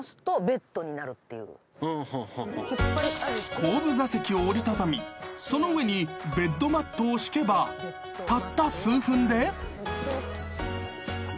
［後部座席を折り畳みその上にベッドマットを敷けばたった数分で］